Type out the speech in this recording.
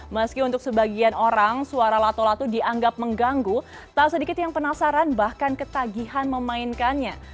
meski untuk sebagian orang suara lato lato dianggap mengganggu tak sedikit yang penasaran bahkan ketagihan memainkannya